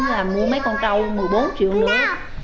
là mua mấy con trâu một mươi bốn triệu lướu